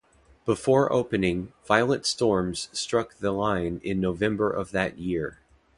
Before opening, violent storms struck the line in November of that year.